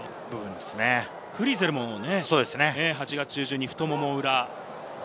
フリゼルもね、８月中旬に太ももの裏。